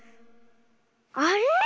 あれ⁉